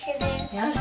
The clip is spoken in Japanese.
よし！